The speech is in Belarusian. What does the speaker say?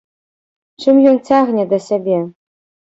Чым ён цягне да сябе?